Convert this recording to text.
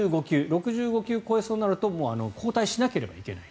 ６５球を超えそうになると交代しなければいけない。